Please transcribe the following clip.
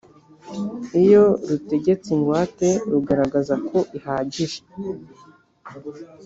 Iyo Rutegetse Ingwate Rugaragaza Ko Ihagije